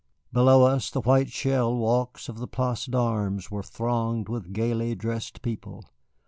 Below us, the white shell walks of the Place d'Armes were thronged with gayly dressed people.